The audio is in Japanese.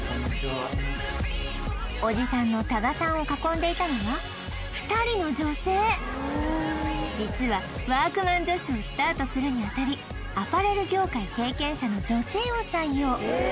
おじさんの多賀さんを囲んでいたのは２人の女性実はワークマン女子をスタートするにあたりアパレル業界経験者の女性を採用